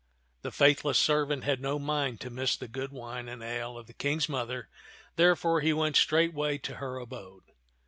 The faithless servant had no mind to miss the good wine and ale of the King's mother, therefore he went straightway to her abode.